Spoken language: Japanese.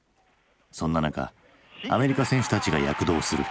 そんな中アメリカ選手たちが躍動する。